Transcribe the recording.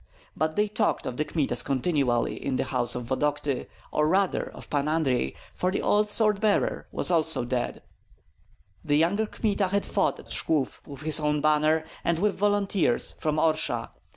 But they talked of the Kmitas continually in the house at Vodokty, or rather of Pan Andrei, for the old sword bearer also was dead. The younger Kmita had fought at Shklov with his own banner and with volunteers from Orsha.